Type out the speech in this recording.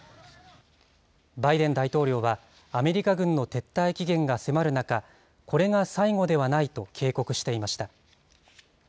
バイデン大統領は、アメリカ軍の撤退期限が迫る中、これが最後ではないと警告していました。